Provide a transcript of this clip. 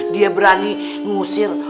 dia berani ngusir